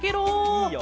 いいよ。